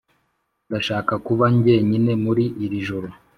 ndashaka kuba njyenyine muri iri joro.